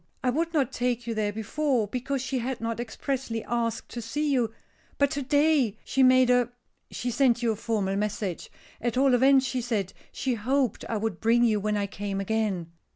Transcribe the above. I would not take you there before, because she had not expressly asked to see you. But to day she made a she sent you a formal message at all events she said she hoped I would bring you when I came again."